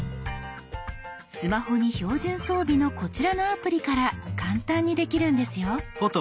スマホに標準装備のこちらのアプリから簡単にできるんですよ。